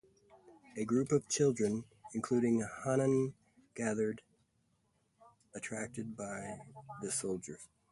A group of children, including Hanan gathered, attracted by the soldiers.